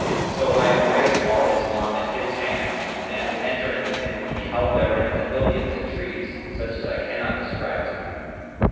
So I embraced Al Islam at his hands and, entering with him, beheld therein pavilions and trees, such as I cannot describe to you.